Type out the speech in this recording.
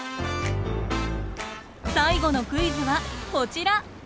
最後のクイズはこちら。